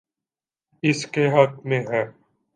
اس کے حق میں ہے۔